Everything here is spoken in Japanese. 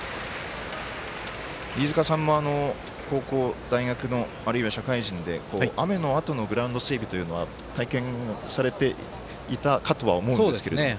飯塚さんも高校、大学のあるいは社会人で雨のあとのグラウンド整備というのは体験されていたかとは思うんですが。